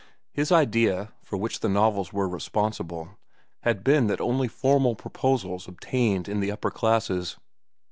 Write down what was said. His idea, for which the novels were responsible, had been that only formal proposals obtained in the upper classes.